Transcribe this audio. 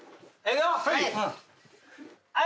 はい。